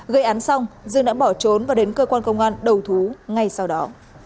gây án xong dương đã bỏ trốn và đến cơ quan công an đầu thú ngay sau đó